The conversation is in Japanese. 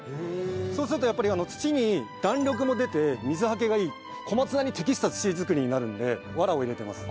そうするとやっぱり土に弾力も出て水はけがいい小松菜に適した土作りになるのでワラを入れてます。